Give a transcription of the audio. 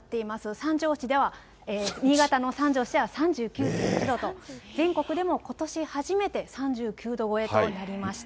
三条市では、新潟の三条市では３９．１度と、全国でもことし初めて３９度超えとなりました。